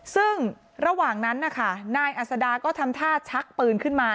ซึ่งระหว่างนั้นนะคะนายอัศดาก็ทำท่าชักปืนขึ้นมา